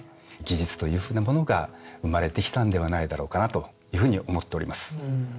技術というふうなものが生まれてきたんではないだろうかなというふうに思っております。